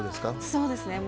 そうですね。